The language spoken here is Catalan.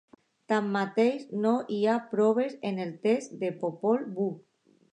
Tanmateix, no n'hi ha proves en el text de Popol Vuh.